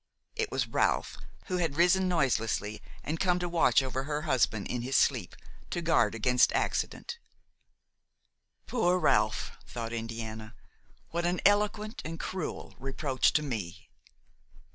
It was Ralph, who had risen noiselessly and come to watch over her husband in his sleep, to guard against accident. "Poor Ralph!" thought Indiana; "what an eloquent and cruel reproach to me!"